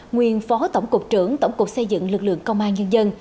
nguyên phó tổng cục trưởng tổng cục xây dựng lực lượng công an nhân dân